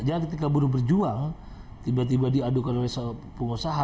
jangan ketika buruh berjuang tiba tiba diadukan oleh pengusaha